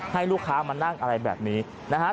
ให้ลูกค้ามานั่งอะไรแบบนี้นะฮะ